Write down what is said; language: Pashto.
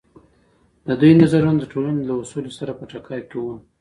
د دوی نظرونه د ټولنې له اصولو سره په ټکر کې وو.